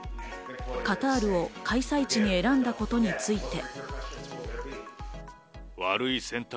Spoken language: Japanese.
カタールを開催地に選んだことについて。